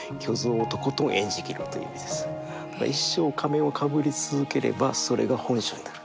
一生仮面をかぶり続ければそれが本性になる。